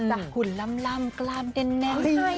แต่คุณลำกลามดันแนม